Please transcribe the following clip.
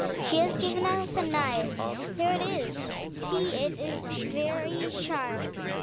She has given us a knife: here it is, see it is very sharp.